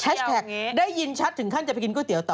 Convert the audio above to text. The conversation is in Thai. แฮชแท็กได้ยินชัดถึงขั้นจะไปกินก๋วยเตี๋ยวต่อ